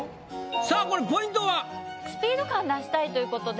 さぁこれポイントは？